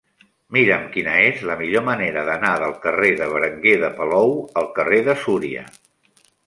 Mira'm quina és la millor manera d'anar del carrer de Berenguer de Palou al carrer de Súria.